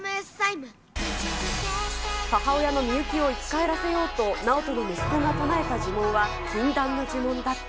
母親の美雪を生き返らせようと、直人の息子が唱えた呪文は禁断の呪文だった。